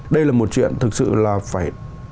đây là một chuyện thực sự là phải